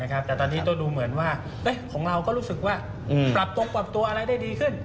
แต่ตอนนี้ก็ดูเหมือนว่าของเราก็รู้สึกว่าปรับตรงปรับตัวอะไรได้ดีขึ้น